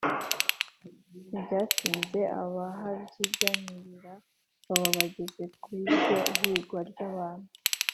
ntibyatinze abahabyiganiraga baba bageze ku iryo higwa ry'abantu